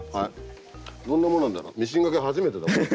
どんなもんなんだろうミシンがけ初めてだもん。